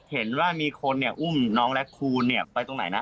เห็นว่ามีคนอุ้มน้องแร็กคูลไปตรงไหนนะ